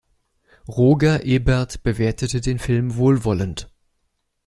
Roger Ebert bewertete den Film wohlwollend.